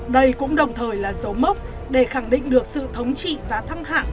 đây cũng đồng thời là dấu mốc để khẳng định được sự thống trị và thăng hạng